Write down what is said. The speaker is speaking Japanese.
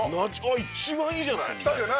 一番いいじゃない。